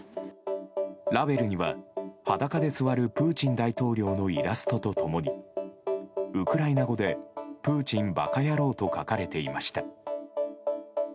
ラベルには裸で座るプーチン大統領のイラストと共にウクライナ語で「プーチン馬鹿野郎」と書かれていました。